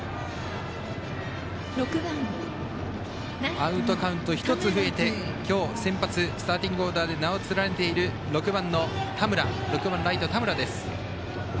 アウトカウント１つ増えて今日、先発スターティングオーダーで名を連ねている６番ライトの田村です。